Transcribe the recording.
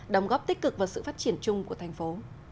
đóng góp tích cực vào sự phát triển chung của thành phố